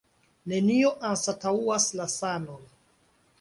Nenio anstataŭas la sanon.